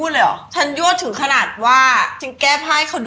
แล้วเขาทำได้ยังไงอะ